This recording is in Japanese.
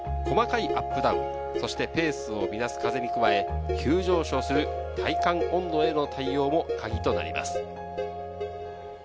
細かいアップダウン、そしてペースを乱す風に加え急上昇する体感温度への対応もカギとなります。